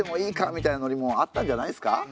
みたいなノリもあったんじゃないですか。